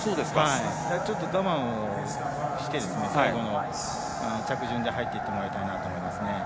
ちょっと我慢をしてこの着順で入っていってもらいたいですね。